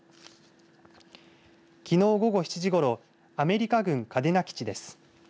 きのう午後７時ごろアメリカ軍嘉手納基地です。